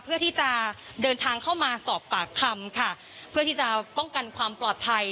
เพื่อที่จะเดินทางเข้ามาสอบปากคำค่ะเพื่อที่จะป้องกันความปลอดภัย